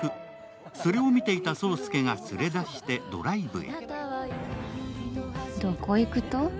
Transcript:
それを見ていた爽介が連れ出してドライブへ。